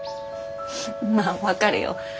まぁ分かるよ。